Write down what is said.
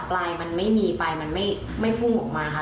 ปลายมันไม่มีปลายมันไม่พุ่งออกมาค่ะ